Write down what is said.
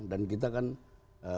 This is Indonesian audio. dan kita kan bersama teman teman mbak eva